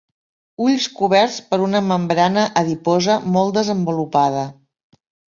Ulls coberts per una membrana adiposa molt desenvolupada.